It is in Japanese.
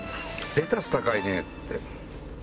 レタス高いねっつって。